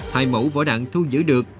hai mẫu vỏ đạn thu giữ được